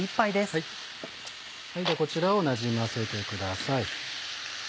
こちらをなじませてください。